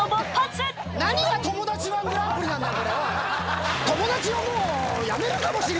何が友達−１グランプリなんだよ！